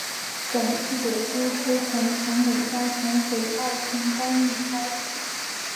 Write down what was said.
本季的故事从陈美嘉重回爱情公寓开始。